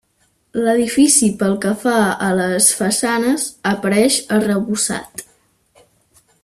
L'edifici pel que fa a les façanes, apareix arrebossat.